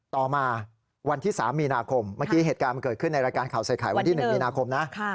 ต่อมาวันที่๓มีนาคมเมื่อกี้เหตุการณ์มันเกิดขึ้นในรายการข่าวใส่ไข่วันที่๑มีนาคมนะ